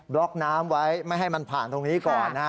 ล็อกน้ำไว้ไม่ให้มันผ่านตรงนี้ก่อนนะฮะ